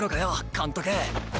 監督！